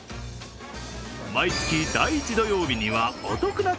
毎月第１土曜日にはお得な